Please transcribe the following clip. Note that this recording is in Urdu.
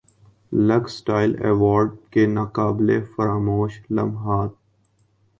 لکس اسٹائل ایوارڈ کے ناقابل فراموش لمحات